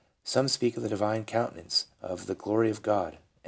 Some speak of " a divine countenance," of " the glory of God."